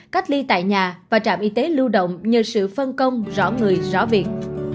cách ly tại nhà và trạm y tế lưu động nhờ sự phân công rõ người rõ việc